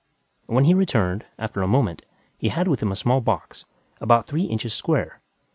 When he returned, after a moment, he had with him a small box, about three inches square.